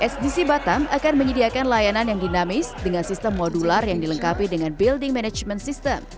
sdc batam akan menyediakan layanan yang dinamis dengan sistem modular yang dilengkapi dengan building management system